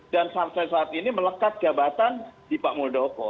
dan sampai saat ini melekat jabatan di pak muldoko